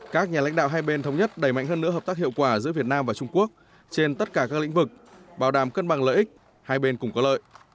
các nhà lãnh đạo hai bên thống nhất đẩy mạnh hơn nữa hợp tác hiệu quả giữa việt nam và trung quốc trên tất cả các lĩnh vực bảo đảm cân bằng lợi ích hai bên cũng có lợi